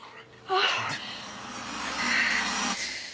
あっ！